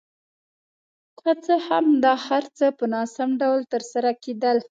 که څه هم دا هر څه په ناسم ډول ترسره کېدل.